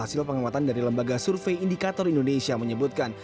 hasil pengamatan dari lembaga survei indikator indonesia menyebutkan